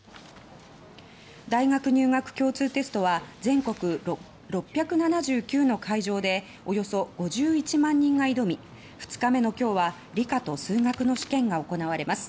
大学入学共通テストは全国６７９の会場でおよそ５１万人が挑み２日目の今日は理科と数学の試験が行われます。